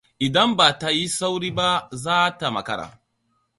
Idan ba ta yi sauri ba za ta makara.